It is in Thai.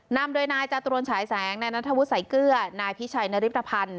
นำโดยนายจตุรนต์ฉายแสงนายนัทธวุฒิใสเกลือนายพิชัยนฤทธพันธ์